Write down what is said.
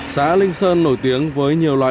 xã linh sơn nổi tiếng với nhiều loại